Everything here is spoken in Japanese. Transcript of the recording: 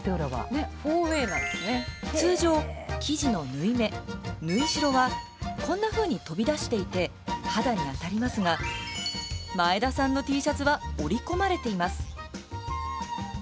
通常、生地の縫い目縫いしろはこんなふうに飛び出していて肌に当たりますが前田さんのＴシャツは織り込まれています。